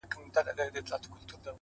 هره بریا د داخلي نظم نتیجه ده’